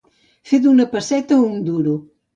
Fer d'una pesseta un duro.